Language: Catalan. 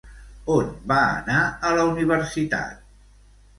On va anar a la universitat?